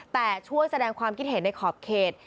แต่ช่วยแสดงความคิดเห็นในขอบเขต